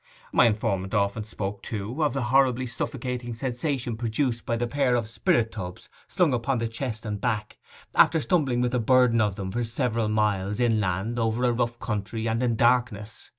My informant often spoke, too, of the horribly suffocating sensation produced by the pair of spirit tubs slung upon the chest and back, after stumbling with the burden of them for several miles inland over a rough country and in darkness.